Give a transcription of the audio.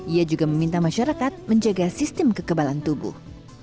ia juga meminta masyarakat menjaga sistem kekebalan tubuh